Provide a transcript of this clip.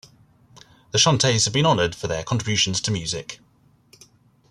The Chantays have been honored for their contributions to music.